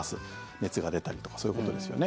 熱が出たりとかそういうことですよね。